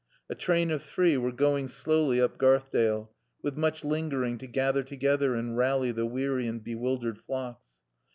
A train of three were going slowly up Garthdale, with much lingering to gather together and rally the weary and bewildered flocks.